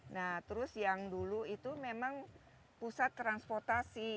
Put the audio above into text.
nah terus yang dulu itu memang pusat transportasi